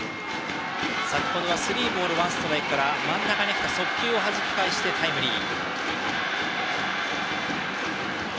先程はスリーボールワンストライクから真ん中の速球をはじき返してタイムリー。